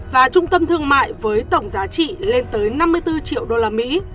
và trung tâm thương mại với tổng giá trị lên tới năm mươi bốn triệu usd